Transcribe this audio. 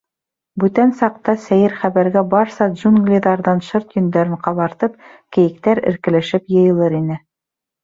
Бүтән саҡта сәйер хәбәргә барса джунглиҙарҙан шырт йөндәрен ҡабартып, кейектәр эркелешеп йыйылыр ине.